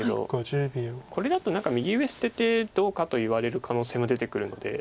これだと何か右上捨ててどうかと言われる可能性も出てくるので。